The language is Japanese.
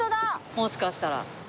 もしかしたら。